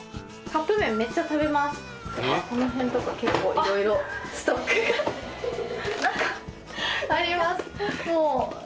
この辺とか結構色々ストックがあります。